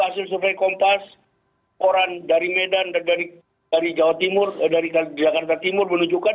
hasil survei kompas koran dari medan dan dari jawa timur dari jakarta timur menunjukkan